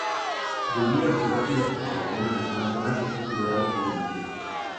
Debido a su rápida propagación en algunas zonas es considerada como invasiva.